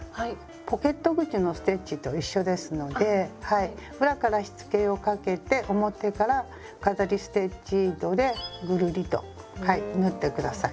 ポケット口のステッチと一緒ですので裏からしつけをかけて表から飾りステッチ糸でぐるりと縫ってください。